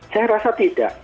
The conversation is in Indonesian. saya rasa tidak